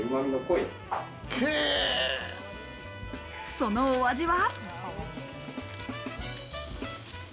そのお味は？